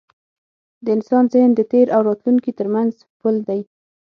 د انسان ذهن د تېر او راتلونکي تر منځ پُل دی.